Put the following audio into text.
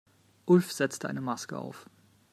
Ulf setzte eine Maske auf.